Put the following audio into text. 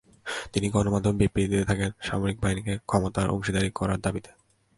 তিনি গণমাধ্যমে বিবৃতি দিতে থাকেন সামরিক বাহিনীকে ক্ষমতার অংশীদার করার দাবিতে।